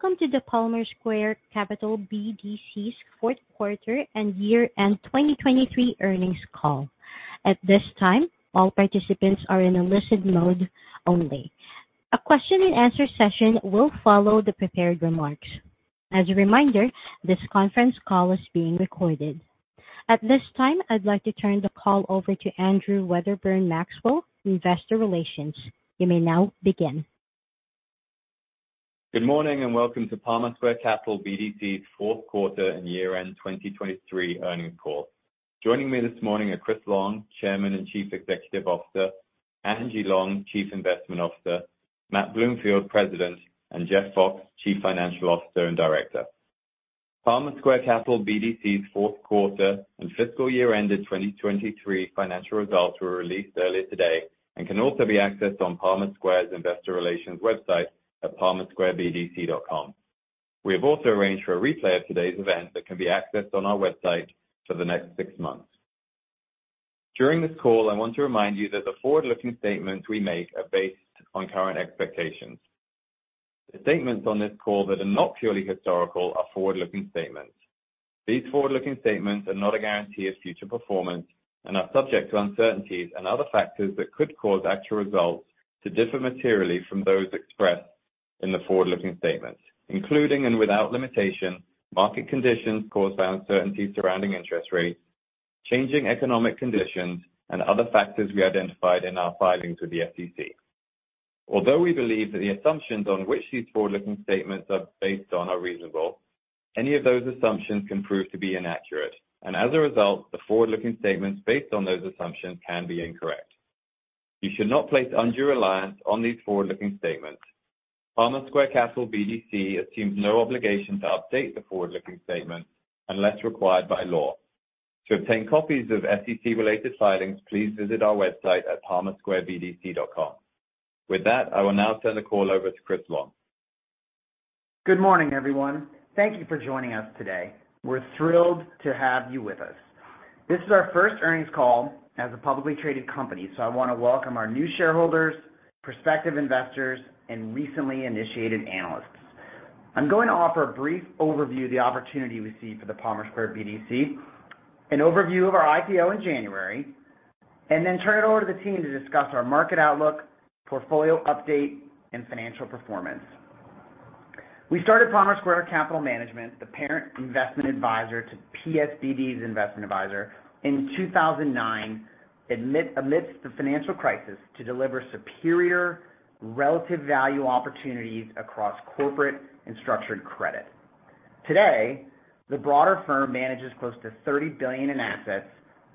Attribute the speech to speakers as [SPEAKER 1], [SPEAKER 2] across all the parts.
[SPEAKER 1] Welcome to the Palmer Square Capital BDC's fourth quarter and year-end 2023 earnings call. At this time, all participants are in a listen mode only. A question and answer session will follow the prepared remarks. As a reminder, this conference call is being recorded. At this time, I'd like to turn the call over to Andrew Wedderburn-Maxwell, investor relations. You may now begin.
[SPEAKER 2] Good morning, welcome to Palmer Square Capital BDC's fourth quarter and year-end 2023 earnings call. Joining me this morning are Chris Long, Chairman and Chief Executive Officer; Angie Long, Chief Investment Officer; Matt Bloomfield, President; and Jeff Fox, Chief Financial Officer and Director. Palmer Square Capital BDC's fourth quarter and fiscal year-ended 2023 financial results were released earlier today and can also be accessed on Palmer Square's investor relations website at palmersquarebdc.com. We have also arranged for a replay of today's event that can be accessed on our website for the next six months. During this call, I want to remind you that the forward-looking statements we make are based on current expectations. The statements on this call that are not purely historical are forward-looking statements. These forward-looking statements are not a guarantee of future performance and are subject to uncertainties and other factors that could cause actual results to differ materially from those expressed in the forward-looking statements including and without limitation, market conditions caused by uncertainties surrounding interest rates, changing economic conditions, and other factors we identified in our filings with the SEC. Although we believe that the assumptions on which these forward-looking statements are based on are reasonable, any of those assumptions can prove to be inaccurate. As a result, the forward-looking statements based on those assumptions can be incorrect. You should not place undue reliance on these forward-looking statements. Palmer Square Capital BDC assumes no obligation to update the forward-looking statements unless required by law. To obtain copies of SEC-related filings, please visit our website at palmersquarebdc.com. With that, I will now turn the call over to Chris Long.
[SPEAKER 3] Good morning, everyone. Thank you for joining us today. We're thrilled to have you with us. This is our first earnings call as a publicly traded company, I want to welcome our new shareholders, prospective investors, and recently initiated analysts. I'm going to offer a brief overview of the opportunity we see for the Palmer Square BDC, an overview of our IPO in January, then turn it over to the team to discuss our market outlook, portfolio update, and financial performance. We started Palmer Square Capital Management, the parent investment advisor to PSBD's investment advisor, in 2009, amidst the financial crisis, to deliver superior relative value opportunities across corporate and structured credit. Today, the broader firm manages close to $30 billion in assets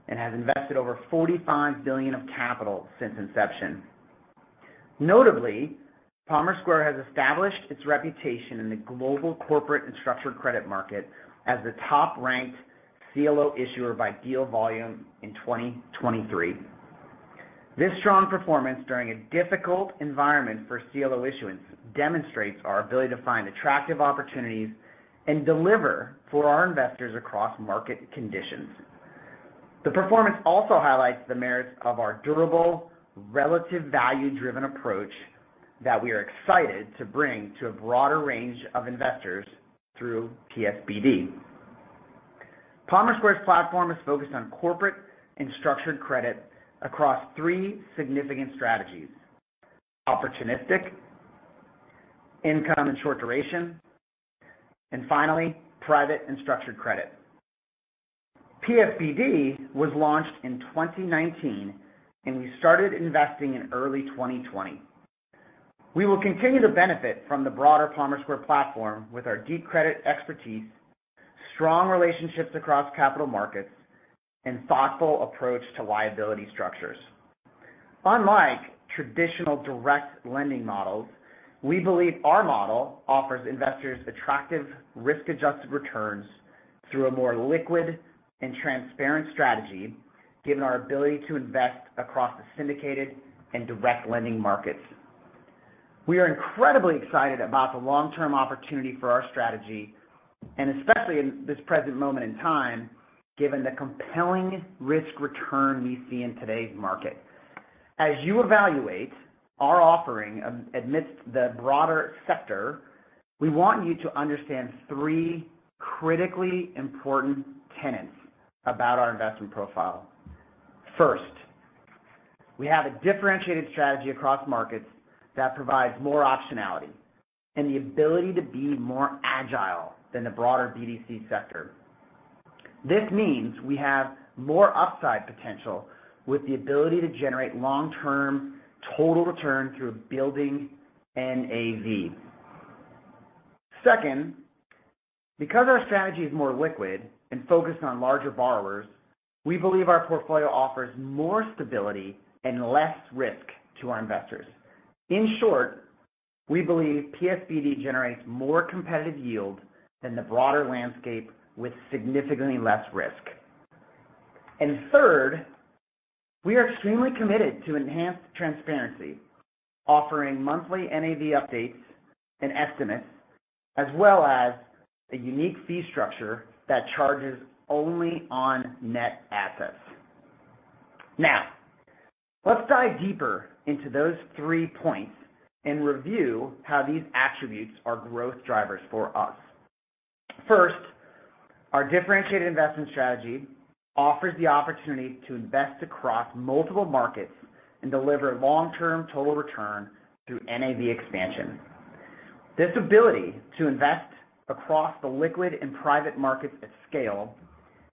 [SPEAKER 3] and has invested over $45 billion of capital since inception. Notably, Palmer Square has established its reputation in the global corporate and structured credit market as the top-ranked CLO issuer by deal volume in 2023. This strong performance during a difficult environment for CLO issuance demonstrates our ability to find attractive opportunities and deliver for our investors across market conditions. The performance also highlights the merits of our durable, relative value-driven approach that we are excited to bring to a broader range of investors through PSBD. Palmer Square's platform is focused on corporate and structured credit across three significant strategies: opportunistic, income and short duration, and finally, private and structured credit. PSBD was launched in 2019, and we started investing in early 2020. We will continue to benefit from the broader Palmer Square platform with our deep credit expertise, strong relationships across capital markets, and thoughtful approach to liability structures. Unlike traditional direct lending models, we believe our model offers investors attractive risk-adjusted returns through a more liquid and transparent strategy, given our ability to invest across the syndicated and direct lending markets. We are incredibly excited about the long-term opportunity for our strategy, and especially in this present moment in time, given the compelling risk-return we see in today's market. As you evaluate our offering amidst the broader sector, we want you to understand three critically important tenets about our investment profile. First, we have a differentiated strategy across markets that provides more optionality and the ability to be more agile than the broader BDC sector. This means we have more upside potential with the ability to generate long-term total return through building NAV. Second, because our strategy is more liquid and focused on larger borrowers, we believe our portfolio offers more stability and less risk to our investors. In short, we believe PSBD generates more competitive yield than the broader landscape with significantly less risk. Third, we are extremely committed to enhanced transparency, offering monthly NAV updates and estimates, as well as a unique fee structure that charges only on net assets. Now, let's dive deeper into those three points and review how these attributes are growth drivers for us. First, our differentiated investment strategy offers the opportunity to invest across multiple markets and deliver long-term total return through NAV expansion. This ability to invest across the liquid and private markets at scale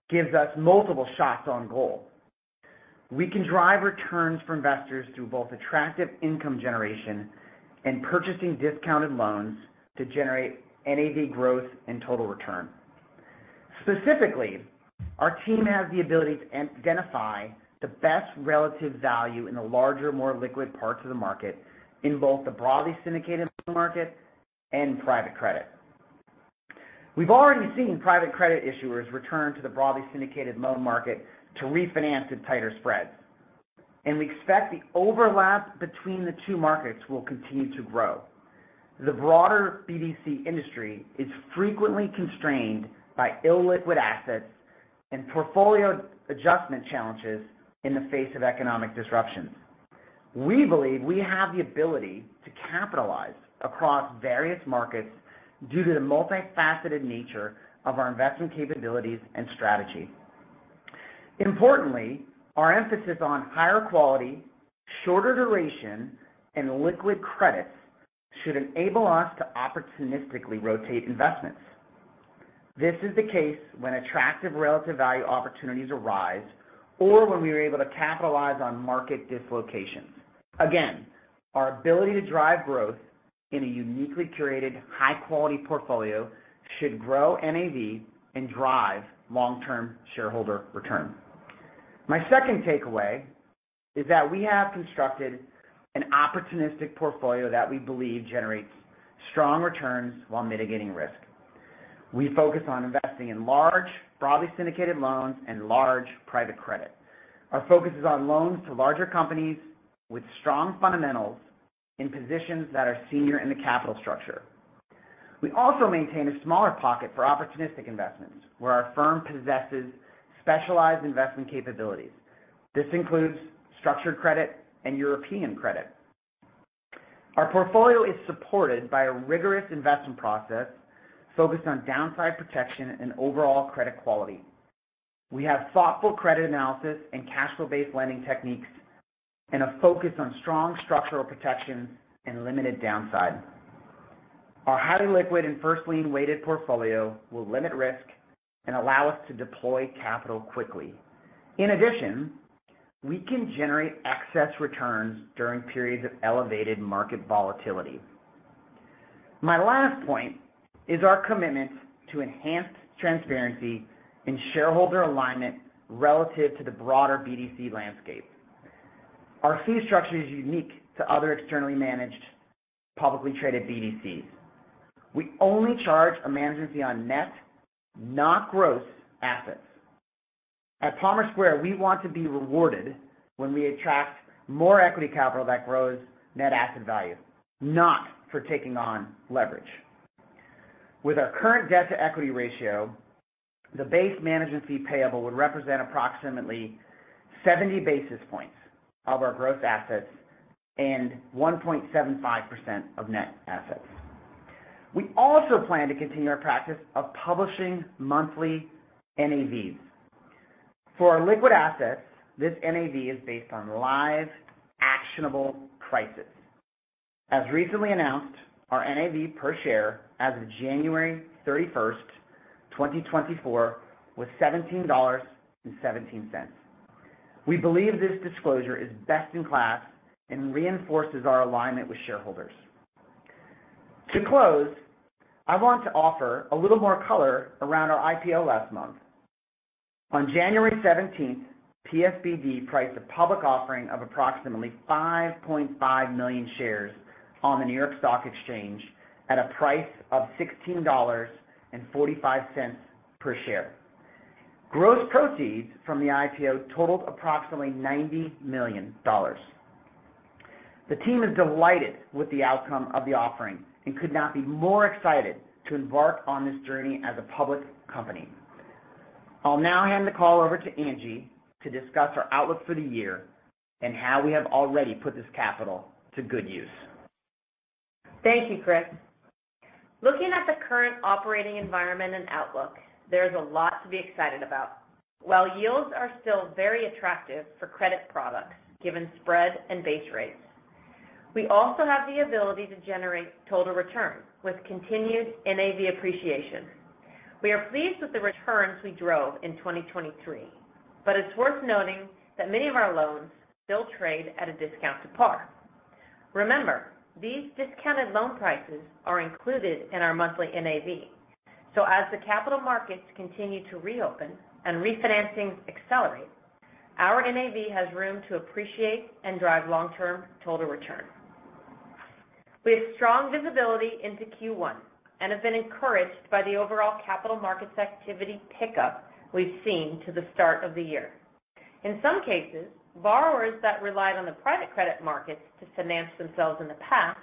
[SPEAKER 3] gives us multiple shots on goal. We can drive returns for investors through both attractive income generation and purchasing discounted loans to generate NAV growth and total return. Specifically, our team has the ability to identify the best relative value in the larger, more liquid parts of the market in both the broadly syndicated loan market and private credit. We've already seen private credit issuers return to the broadly syndicated loan market to refinance at tighter spreads, and we expect the overlap between the two markets will continue to grow. The broader BDC industry is frequently constrained by illiquid assets and portfolio adjustment challenges in the face of economic disruptions. We believe we have the ability to capitalize across various markets due to the multifaceted nature of our investment capabilities and strategy. Importantly, our emphasis on higher quality, shorter duration, and liquid credits should enable us to opportunistically rotate investments. This is the case when attractive relative value opportunities arise or when we are able to capitalize on market dislocations. Our ability to drive growth in a uniquely curated high-quality portfolio should grow NAV and drive long-term shareholder return. My second takeaway is that we have constructed an opportunistic portfolio that we believe generates strong returns while mitigating risk. We focus on investing in large, broadly syndicated loans and large private credit. Our focus is on loans to larger companies with strong fundamentals in positions that are senior in the capital structure. We also maintain a smaller pocket for opportunistic investments where our firm possesses specialized investment capabilities. This includes structured credit and European credit. Our portfolio is supported by a rigorous investment process focused on downside protection and overall credit quality. We have thoughtful credit analysis and cash flow-based lending techniques and a focus on strong structural protections and limited downside. Our highly liquid and first-lien-weighted portfolio will limit risk and allow us to deploy capital quickly. We can generate excess returns during periods of elevated market volatility. My last point is our commitment to enhanced transparency and shareholder alignment relative to the broader BDC landscape. Our fee structure is unique to other externally managed, publicly traded BDCs. We only charge a management fee on net, not gross assets. At Palmer Square, we want to be rewarded when we attract more equity capital that grows net asset value, not for taking on leverage. With our current debt-to-equity ratio, the base management fee payable would represent approximately 70 basis points of our gross assets and 1.75% of net assets. We also plan to continue our practice of publishing monthly NAVs. For our liquid assets, this NAV is based on live, actionable prices. As recently announced, our NAV per share as of January 31st, 2024, was $17.17. We believe this disclosure is best in class and reinforces our alignment with shareholders. To close, I want to offer a little more color around our IPO last month. On January 17th, PSBD priced a public offering of approximately 5.5 million shares on the New York Stock Exchange at a price of $16.45 per share. Gross proceeds from the IPO totaled approximately $90 million. The team is delighted with the outcome of the offering and could not be more excited to embark on this journey as a public company. I'll now hand the call over to Angie to discuss our outlook for the year and how we have already put this capital to good use.
[SPEAKER 4] Thank you, Chris. Looking at the current operating environment and outlook, there is a lot to be excited about. While yields are still very attractive for credit products, given spread and base rates, we also have the ability to generate total return with continued NAV appreciation. We are pleased with the returns we drove in 2023. It's worth noting that many of our loans still trade at a discount to par. Remember, these discounted loan prices are included in our monthly NAV. As the capital markets continue to reopen and refinancing accelerate, our NAV has room to appreciate and drive long-term total return. We have strong visibility into Q1 and have been encouraged by the overall capital markets activity pickup we've seen to the start of the year. In some cases, borrowers that relied on the private credit markets to finance themselves in the past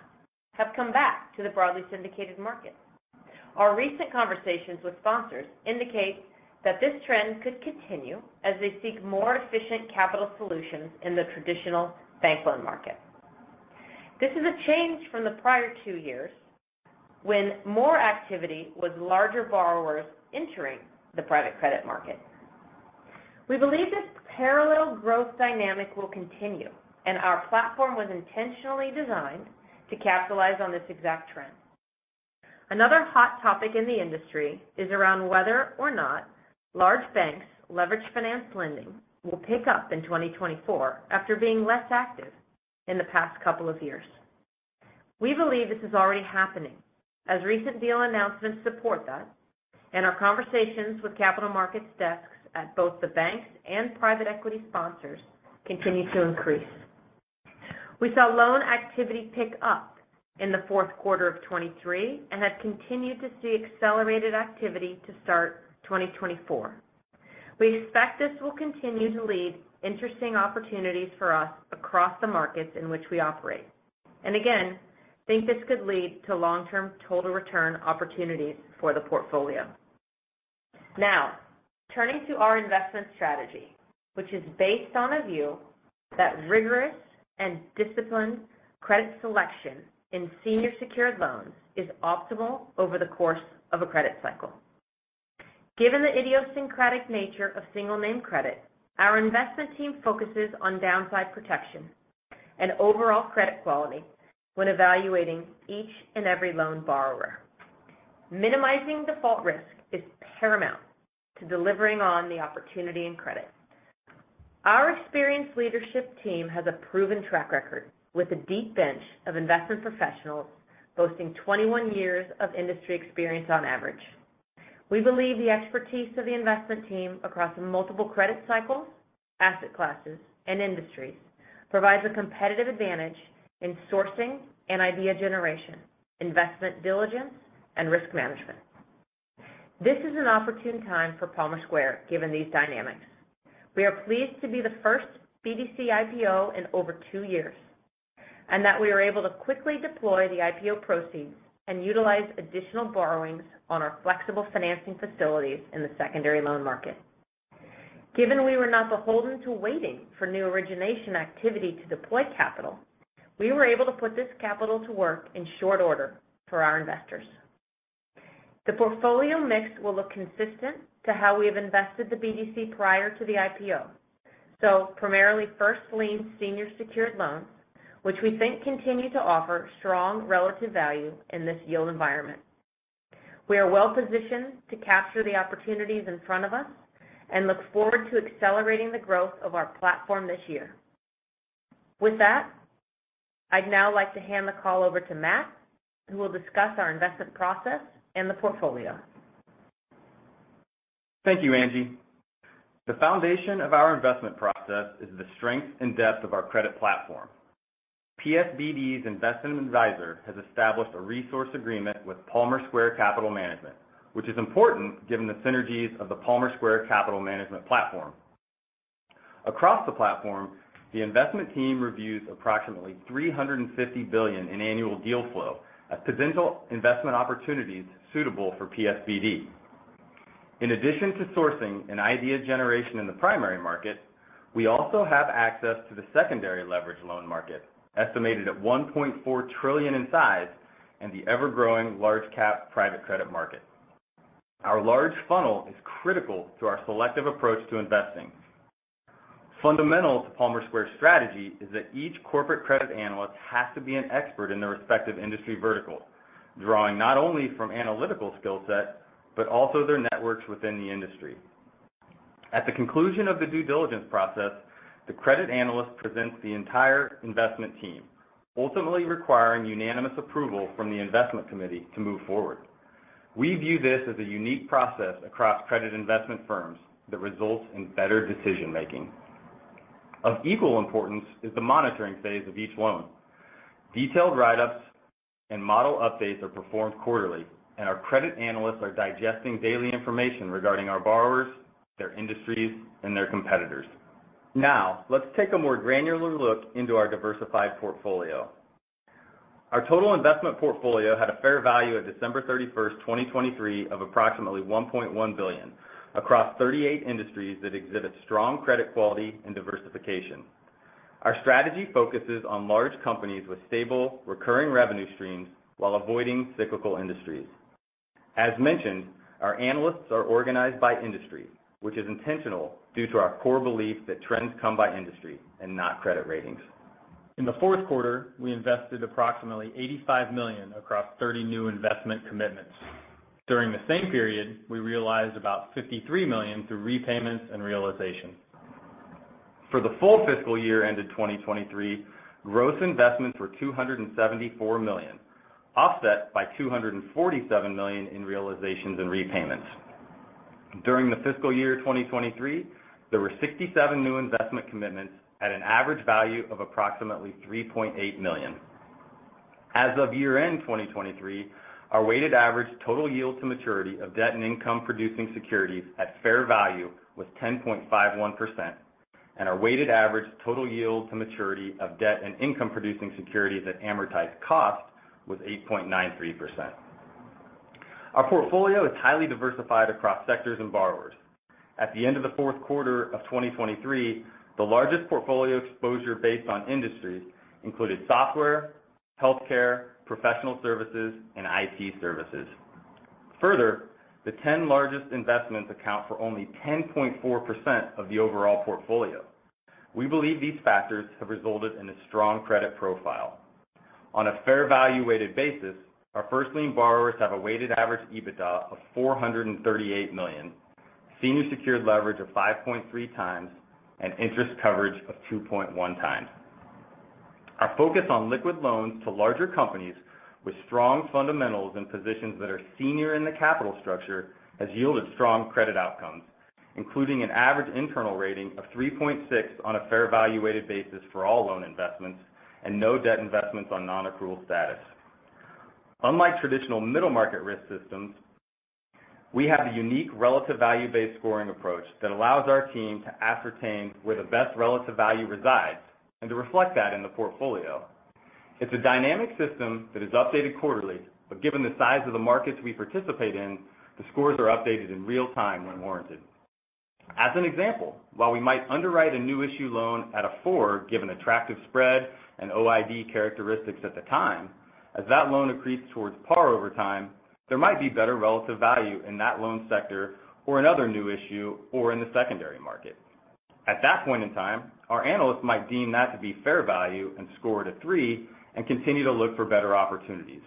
[SPEAKER 4] have come back to the broadly syndicated market. Our recent conversations with sponsors indicate that this trend could continue as they seek more efficient capital solutions in the traditional bank loan market. This is a change from the prior two years, when more activity was larger borrowers entering the private credit market. We believe this parallel growth dynamic will continue, and our platform was intentionally designed to capitalize on this exact trend. Another hot topic in the industry is around whether or not large banks leverage finance lending will pick up in 2024 after being less active in the past couple of years. We believe this is already happening, as recent deal announcements support that, and our conversations with capital markets desks at both the banks and private equity sponsors continue to increase. We saw loan activity pick up in the fourth quarter of 2023 and have continued to see accelerated activity to start 2024. We expect this will continue to lead interesting opportunities for us across the markets in which we operate. Again, think this could lead to long-term total return opportunities for the portfolio. Turning to our investment strategy, which is based on a view that rigorous and disciplined credit selection in senior secured loans is optimal over the course of a credit cycle. Given the idiosyncratic nature of single-name credit, our investment team focuses on downside protection and overall credit quality when evaluating each and every loan borrower. Minimizing default risk is paramount to delivering on the opportunity and credit. Our experienced leadership team has a proven track record with a deep bench of investment professionals boasting 21 years of industry experience on average. We believe the expertise of the investment team across multiple credit cycles, asset classes, and industries provides a competitive advantage in sourcing and idea generation, investment diligence, and risk management. This is an opportune time for Palmer Square given these dynamics. We are pleased to be the first BDC IPO in over two years, and that we are able to quickly deploy the IPO proceeds and utilize additional borrowings on our flexible financing facilities in the secondary loan market. Given we were not beholden to waiting for new origination activity to deploy capital, we were able to put this capital to work in short order for our investors. The portfolio mix will look consistent to how we have invested the BDC prior to the IPO. Primarily first lien senior secured loans, which we think continue to offer strong relative value in this yield environment. We are well-positioned to capture the opportunities in front of us. Look forward to accelerating the growth of our platform this year. With that, I'd now like to hand the call over to Matt, who will discuss our investment process and the portfolio.
[SPEAKER 5] Thank you, Angie. The foundation of our investment process is the strength and depth of our credit platform. PSBD's investment adviser has established a resource agreement with Palmer Square Capital Management, which is important given the synergies of the Palmer Square Capital Management platform. Across the platform, the investment team reviews approximately $350 billion in annual deal flow of potential investment opportunities suitable for PSBD. In addition to sourcing an idea generation in the primary market, we also have access to the secondary leverage loan market, estimated at $1.4 trillion in size and the ever-growing large cap private credit market. Our large funnel is critical to our selective approach to investing. Fundamental to Palmer Square strategy is that each corporate credit analyst has to be an expert in their respective industry vertical, drawing not only from analytical skill set, but also their networks within the industry. At the conclusion of the due diligence process, the credit analyst presents the entire investment team, ultimately requiring unanimous approval from the investment committee to move forward. We view this as a unique process across credit investment firms that results in better decision-making. Of equal importance is the monitoring phase of each loan. Detailed write-ups and model updates are performed quarterly, and our credit analysts are digesting daily information regarding our borrowers, their industries, and their competitors. Now, let's take a more granular look into our diversified portfolio. Our total investment portfolio had a fair value of December 31, 2023 of approximately $1.1 billion across 38 industries that exhibit strong credit quality and diversification. Our strategy focuses on large companies with stable, recurring revenue streams while avoiding cyclical industries. As mentioned, our analysts are organized by industry, which is intentional due to our core belief that trends come by industry and not credit ratings. In the fourth quarter, we invested approximately $85 million across 30 new investment commitments. During the same period, we realized about $53 million through repayments and realizations. For the full fiscal year ended 2023, gross investments were $274 million, offset by $247 million in realizations and repayments. During the fiscal year 2023, there were 67 new investment commitments at an average value of approximately $3.8 million. As of year-end 2023, our weighted average total yield to maturity of debt and income producing securities at fair value was 10.51%. And our weighted average total yield to maturity of debt and income producing securities at amortized cost was 8.93%. Our portfolio is highly diversified across sectors and borrowers. At the end of the fourth quarter of 2023, the largest portfolio exposure based on industry included software, healthcare, professional services, and IT services. Further, the 10 largest investments account for only 10.4% of the overall portfolio. We believe these factors have resulted in a strong credit profile. On a fair value weighted basis, our first lien borrowers have a weighted average EBITDA of $438 million, senior secured leverage of 5.3 times, and interest coverage of 2.1 times. Our focus on liquid loans to larger companies with strong fundamentals and positions that are senior in the capital structure has yielded strong credit outcomes, including an average internal rating of 3.6 on a fair value weighted basis for all loan investments and no debt investments on non-accrual status. Unlike traditional middle market risk systems, we have a unique relative value-based scoring approach that allows our team to ascertain where the best relative value resides and to reflect that in the portfolio. It's a dynamic system that is updated quarterly, but given the size of the markets we participate in, the scores are updated in real time when warranted. As an example, while we might underwrite a new issue loan at a four, given attractive spread and OID characteristics at the time, as that loan accretes towards par over time, there might be better relative value in that loan sector or another new issue or in the secondary market. At that point in time, our analysts might deem that to be fair value and score it a three and continue to look for better opportunities.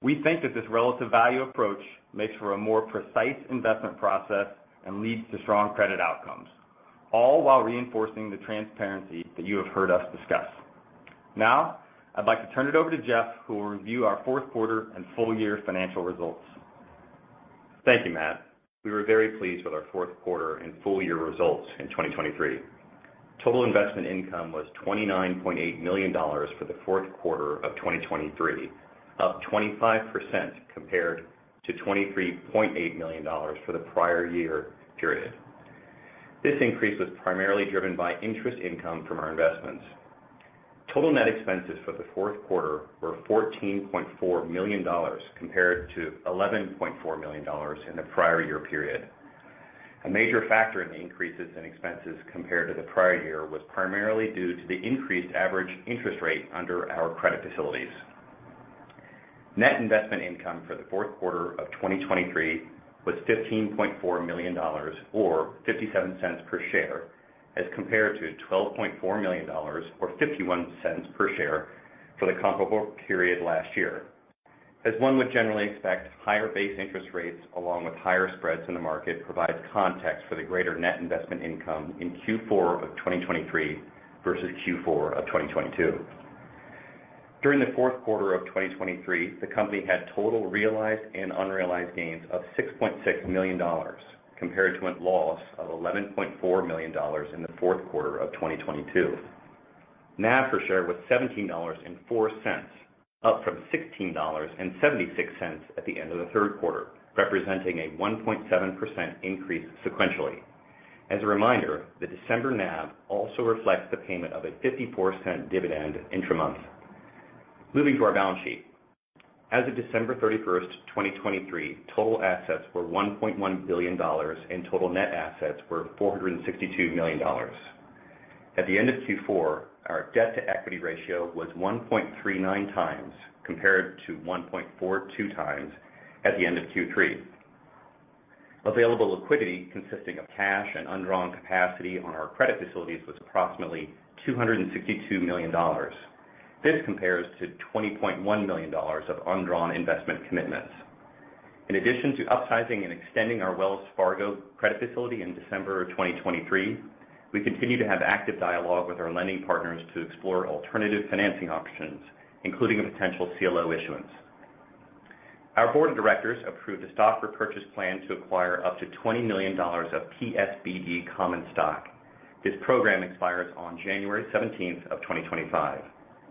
[SPEAKER 5] We think that this relative value approach makes for a more precise investment process and leads to strong credit outcomes, all while reinforcing the transparency that you have heard us discuss. I'd like to turn it over to Jeff, who will review our fourth quarter and full year financial results.
[SPEAKER 6] Thank you, Matt. We were very pleased with our fourth quarter and full year results in 2023. Total investment income was $29.8 million for the fourth quarter of 2023, up 25% compared to $23.8 million for the prior year period. This increase was primarily driven by interest income from our investments. Total net expenses for the fourth quarter were $14.4 million, compared to $11.4 million in the prior year period. A major factor in the increases in expenses compared to the prior year was primarily due to the increased average interest rate under our credit facilities. Net investment income for the fourth quarter of 2023 was $15.4 million or $0.57 per share, as compared to $12.4 million or $0.51 per share for the comparable period last year. As one would generally expect, higher base interest rates along with higher spreads in the market provides context for the greater net investment income in Q4 of 2023 versus Q4 of 2022. During the fourth quarter of 2023, the company had total realized and unrealized gains of $6.6 million, compared to a loss of $11.4 million in the fourth quarter of 2022. NAV per share was $17.04, up from $16.76 at the end of the third quarter, representing a 1.7% increase sequentially. As a reminder, the December NAV also reflects the payment of a $0.54 dividend intra-month. Moving to our balance sheet. As of December 31st, 2023, total assets were $1.1 billion and total net assets were $462 million. At the end of Q4, our debt-to-equity ratio was 1.39x compared to 1.42x at the end of Q3. Available liquidity consisting of cash and undrawn capacity on our credit facilities was approximately $262 million. This compares to $20.1 million of undrawn investment commitments. In addition to upsizing and extending our Wells Fargo credit facility in December of 2023, we continue to have active dialogue with our lending partners to explore alternative financing options, including a potential CLO issuance. Our board of directors approved a stock repurchase plan to acquire up to $20 million of PSBD common stock. This program expires on January 17th of 2025.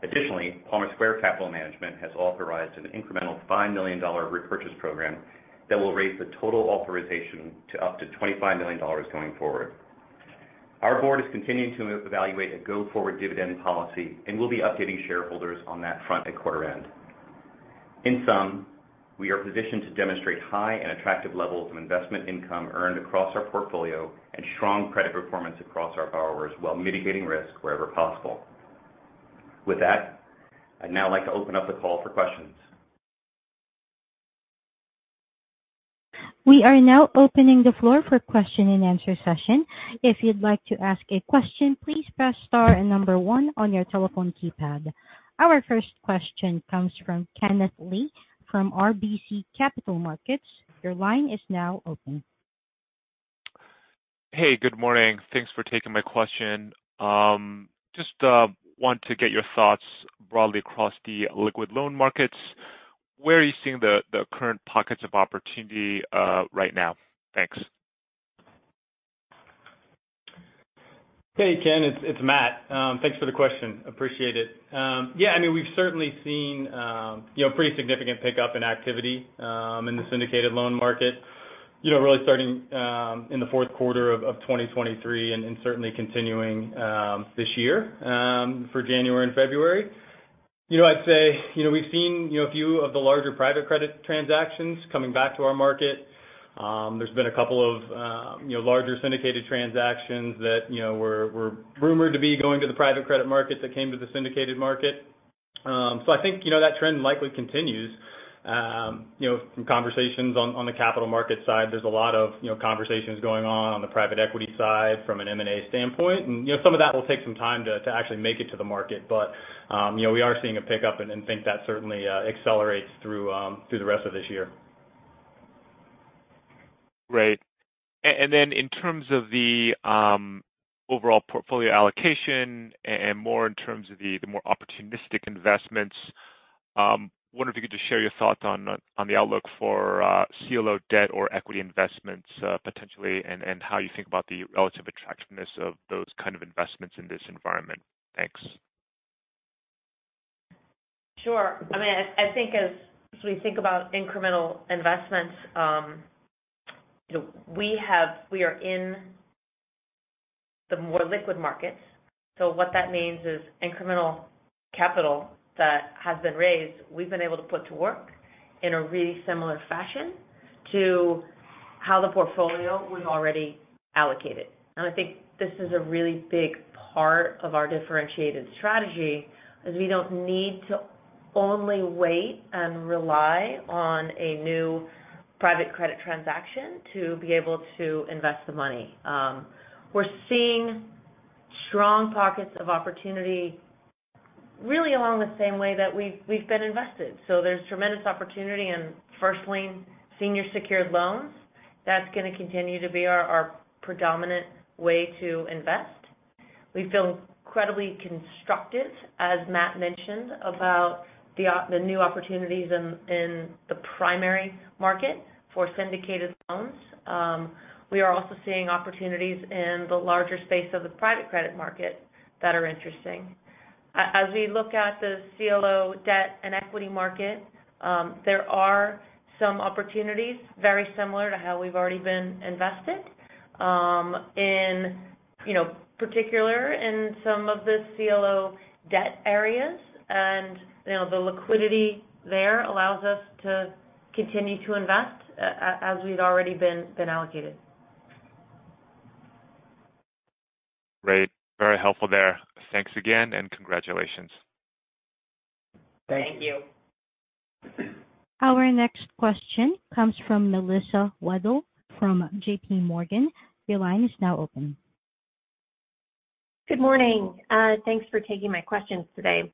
[SPEAKER 6] Additionally, Palmer Square Capital Management has authorized an incremental $5 million repurchase program that will raise the total authorization to up to $25 million going forward. Our board is continuing to evaluate a go-forward dividend policy, and we'll be updating shareholders on that front at quarter end. In sum, we are positioned to demonstrate high and attractive levels of investment income earned across our portfolio and strong credit performance across our borrowers while mitigating risk wherever possible. With that, I'd now like to open up the call for questions.
[SPEAKER 1] We are now opening the floor for question and answer session. If you'd like to ask a question, please press star and number one on your telephone keypad. Our first question comes from Kenneth Lee from RBC Capital Markets. Your line is now open.
[SPEAKER 7] Hey, good morning. Thanks for taking my question. Just want to get your thoughts broadly across the liquid loan markets. Where are you seeing the current pockets of opportunity right now? Thanks.
[SPEAKER 5] Hey, Ken, it's Matt. Thanks for the question, appreciate it. Yeah, I mean, we've certainly seen pretty significant pickup in activity in the syndicated loan market. Really starting in the fourth quarter of 2023 and certainly continuing this year for January and February. I'd say we've seen a few of the larger private credit transactions coming back to our market. There's been a couple of larger syndicated transactions that were rumored to be going to the private credit market that came to the syndicated market. I think that trend likely continues. From conversations on the capital markets side, there's a lot of conversations going on the private equity side from an M&A standpoint. Some of that will take some time to actually make it to the market. We are seeing a pickup and think that certainly accelerates through the rest of this year.
[SPEAKER 7] Great. In terms of the overall portfolio allocation and more in terms of the more opportunistic investments, wonder if you could just share your thoughts on the outlook for CLO debt or equity investments potentially, and how you think about the relative attractiveness of those kind of investments in this environment. Thanks.
[SPEAKER 4] Sure. I think as we think about incremental investments, we are in the more liquid markets. What that means is incremental capital that has been raised, we've been able to put to work in a really similar fashion to how the portfolio was already allocated. I think this is a really big part of our differentiated strategy, is we don't need to only wait and rely on a new private credit transaction to be able to invest the money. We're seeing strong pockets of opportunity really along the same way that we've been invested. There's tremendous opportunity in first lien senior secured loans. That's going to continue to be our predominant way to invest. We feel incredibly constructive, as Matt mentioned, about the new opportunities in the primary market for syndicated loans. We are also seeing opportunities in the larger space of the private credit market that are interesting. As we look at the CLO debt and equity market, there are some opportunities very similar to how we've already been invested. In particular, in some of the CLO debt areas. The liquidity there allows us to continue to invest as we've already been allocated.
[SPEAKER 7] Great. Very helpful there. Thanks again, and congratulations.
[SPEAKER 4] Thank you.
[SPEAKER 3] Thank you.
[SPEAKER 1] Our next question comes from Melissa Weddle from J.P. Morgan. Your line is now open.
[SPEAKER 8] Good morning. Thanks for taking my questions today.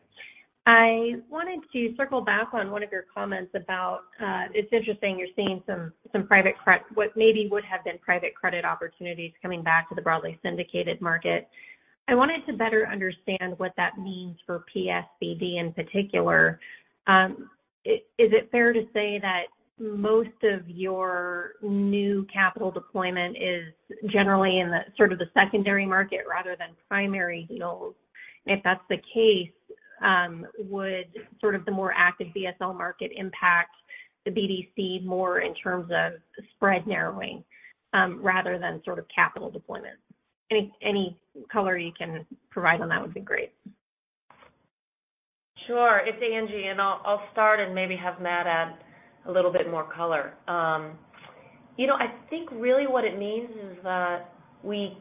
[SPEAKER 8] I wanted to circle back on one of your comments about it's interesting you're seeing what maybe would have been private credit opportunities coming back to the broadly syndicated market. I wanted to better understand what that means for PSBD in particular. Is it fair to say that most of your new capital deployment is generally in the secondary market rather than primary deals? If that's the case, would the more active BSL market impact the BDC more in terms of spread narrowing rather than capital deployment? Any color you can provide on that would be great.
[SPEAKER 4] Sure. It's Angie, and I'll start and maybe have Matt add a little bit more color. I think really what it means is that we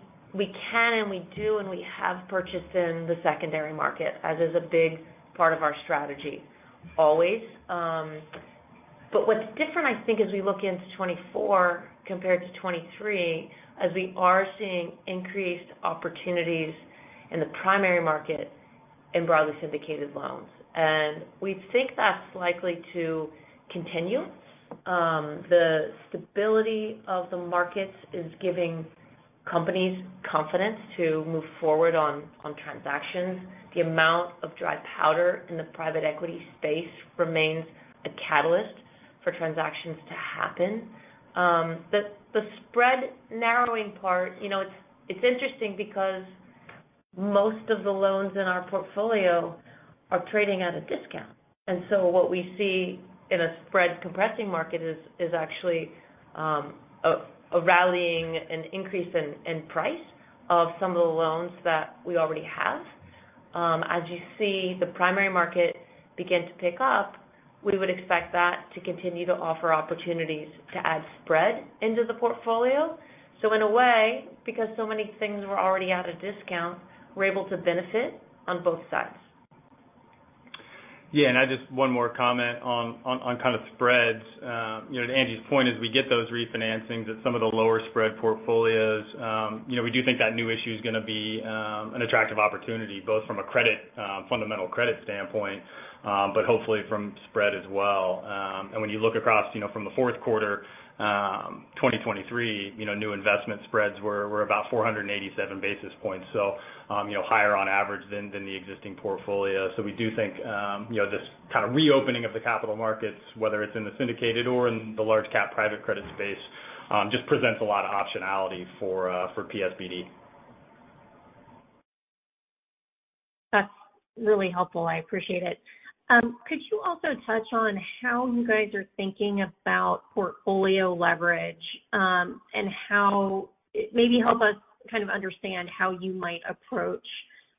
[SPEAKER 4] can, and we do, and we have purchased in the secondary market, as is a big part of our strategy always. What's different, I think, as we look into 2024 compared to 2023, is we are seeing increased opportunities in the primary market in broadly syndicated loans. We think that's likely to continue. The stability of the markets is giving companies confidence to move forward on transactions. The amount of dry powder in the private equity space remains a catalyst for transactions to happen. The spread narrowing part, it's interesting because most of the loans in our portfolio are trading at a discount. What we see in a spread compressing market is actually a rallying, an increase in price of some of the loans that we already have. As you see the primary market begin to pick up, we would expect that to continue to offer opportunities to add spread into the portfolio. In a way, because so many things were already at a discount, we're able to benefit on both sides.
[SPEAKER 5] Yeah, just one more comment on kind of spreads. To Angie's point, as we get those refinancings at some of the lower spread portfolios, we do think that new issue is going to be an attractive opportunity, both from a fundamental credit standpoint, but hopefully from spread as well. When you look across from the fourth quarter 2023, new investment spreads were about 487 basis points. Higher on average than the existing portfolio. We do think this kind of reopening of the capital markets, whether it's in the syndicated or in the large cap private credit space, just presents a lot of optionality for PSBD.
[SPEAKER 8] That's really helpful. I appreciate it. Could you also touch on how you guys are thinking about portfolio leverage, and maybe help us understand how you might approach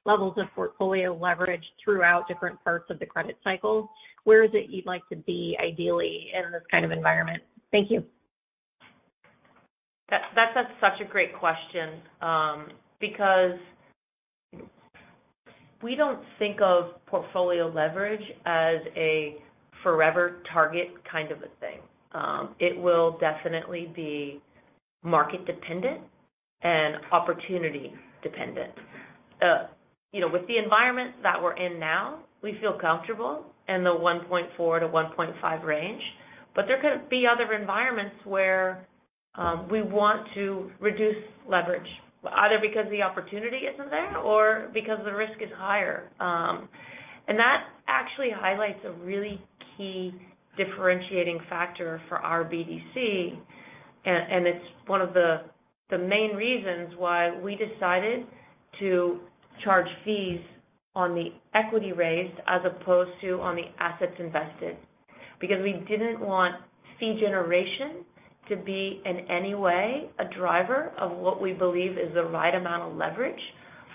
[SPEAKER 8] levels of portfolio leverage throughout different parts of the credit cycle? Where is it you'd like to be ideally in this kind of environment? Thank you.
[SPEAKER 4] That's such a great question. We don't think of portfolio leverage as a forever target kind of a thing. It will definitely be market dependent and opportunity dependent. With the environment that we're in now, we feel comfortable in the 1.4 to 1.5 range, but there could be other environments where we want to reduce leverage, either because the opportunity isn't there or because the risk is higher. That actually highlights a really key differentiating factor for our BDC, and it's one of the main reasons why we decided to charge fees on the equity raised as opposed to on the assets invested. We didn't want fee generation to be, in any way, a driver of what we believe is the right amount of leverage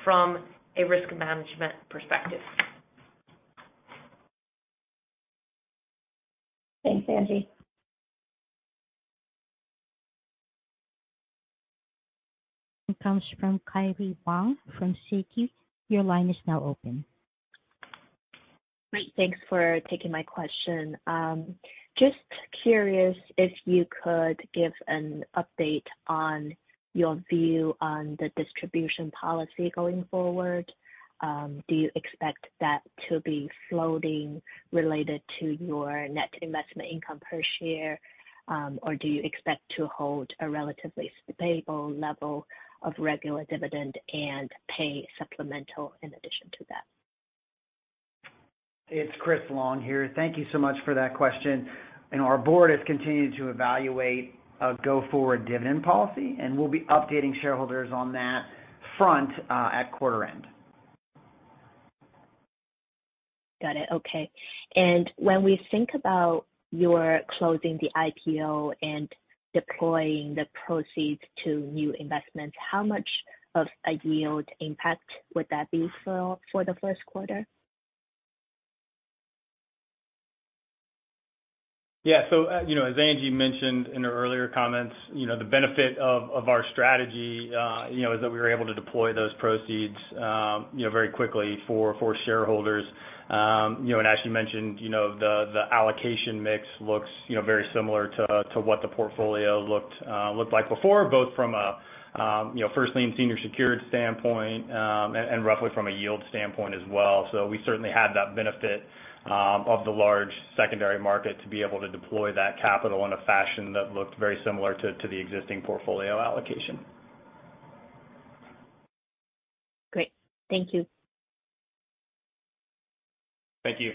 [SPEAKER 4] from a risk management perspective.
[SPEAKER 8] Thanks, Angie.
[SPEAKER 1] Comes from Kyle Wang from Citi. Your line is now open.
[SPEAKER 9] Great. Thanks for taking my question. Just curious if you could give an update on your view on the distribution policy going forward. Do you expect that to be floating related to your net investment income per share? Or do you expect to hold a relatively stable level of regular dividend and pay supplemental in addition to that?
[SPEAKER 3] It's Chris Long here. Thank you so much for that question. Our board has continued to evaluate a go-forward dividend policy, and we'll be updating shareholders on that front at quarter end.
[SPEAKER 9] Got it. Okay. When we think about your closing the IPO and deploying the proceeds to new investments, how much of a yield impact would that be for the first quarter?
[SPEAKER 3] Yeah. As Angie mentioned in her earlier comments, the benefit of our strategy is that we were able to deploy those proceeds very quickly for shareholders. As she mentioned, the allocation mix looks very similar to what the portfolio looked like before, both from a first lien senior secured standpoint, and roughly from a yield standpoint as well. We certainly had that benefit of the large secondary market to be able to deploy that capital in a fashion that looked very similar to the existing portfolio allocation.
[SPEAKER 9] Great. Thank you.
[SPEAKER 3] Thank you.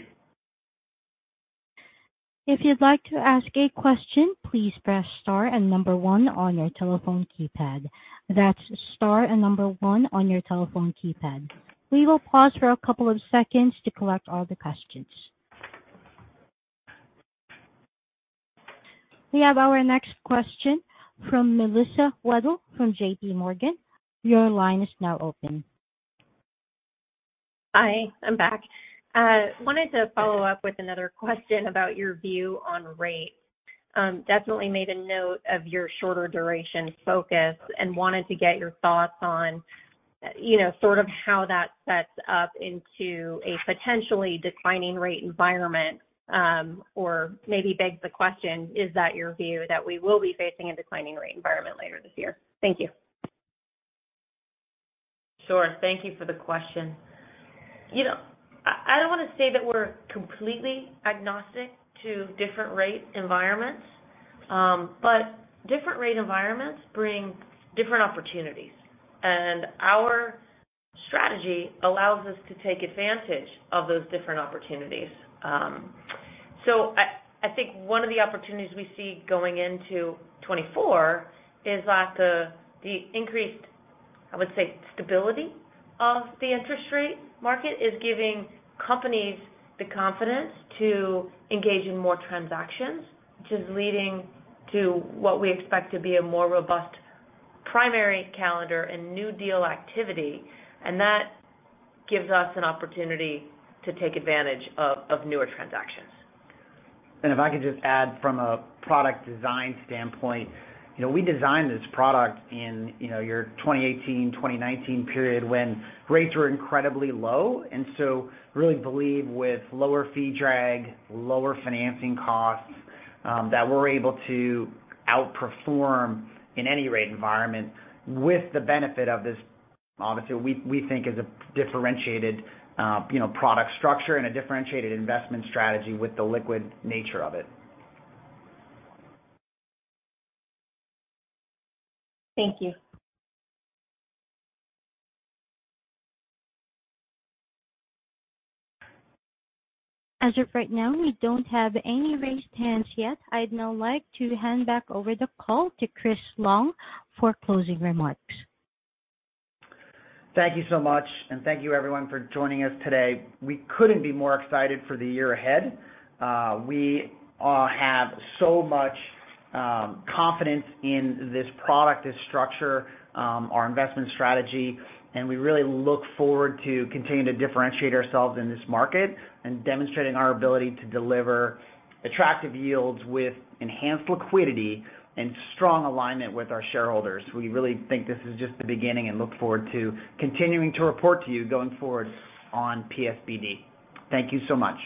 [SPEAKER 1] If you'd like to ask a question, please press star and number 1 on your telephone keypad. That's star and number 1 on your telephone keypad. We will pause for a couple of seconds to collect all the questions. We have our next question from Melissa Weddle from JP Morgan. Your line is now open.
[SPEAKER 8] Hi, I'm back. Wanted to follow up with another question about your view on rates. Definitely made a note of your shorter duration focus and wanted to get your thoughts on sort of how that sets up into a potentially declining rate environment. Maybe begs the question, is that your view that we will be facing a declining rate environment later this year? Thank you.
[SPEAKER 4] Sure. Thank you for the question. I don't want to say that we're completely agnostic to different rate environments. Different rate environments bring different opportunities, and our strategy allows us to take advantage of those different opportunities. I think one of the opportunities we see going into 2024 is that the increased, I would say, stability of the interest rate market is giving companies the confidence to engage in more transactions. Which is leading to what we expect to be a more robust primary calendar and new deal activity, and that gives us an opportunity to take advantage of newer transactions.
[SPEAKER 3] If I could just add from a product design standpoint, we designed this product in your 2018, 2019 period when rates were incredibly low. Really believe with lower fee drag, lower financing costs, that we're able to outperform in any rate environment with the benefit of this, obviously, we think is a differentiated product structure and a differentiated investment strategy with the liquid nature of it.
[SPEAKER 8] Thank you.
[SPEAKER 1] As of right now, we don't have any raised hands yet. I'd now like to hand back over the call to Chris Long for closing remarks.
[SPEAKER 3] Thank you so much, and thank you everyone for joining us today. We couldn't be more excited for the year ahead. We have so much confidence in this product, this structure, our investment strategy, and we really look forward to continuing to differentiate ourselves in this market and demonstrating our ability to deliver attractive yields with enhanced liquidity and strong alignment with our shareholders. We really think this is just the beginning and look forward to continuing to report to you going forward on PSBD. Thank you so much.